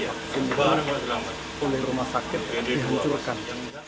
limah vaksin ini tidak boleh rumah sakit dihancurkan